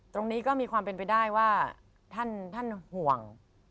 ตรงนี้ก็มีความเป็นไปได้ว่าท่านห่วง